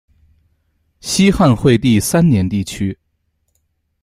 西汉惠帝三年地区。